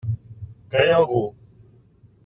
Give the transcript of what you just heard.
Que hi ha algú?